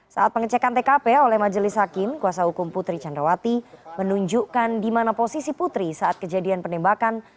saat pengecekan tkp oleh majelis hakim kuasa hukum putri candrawati menunjukkan di mana posisi putri saat kejadian penembakan